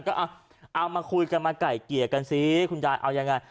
ก็เอามาคุยกันมาไก่เกลี่ยกันซิคุณยายเอายังไง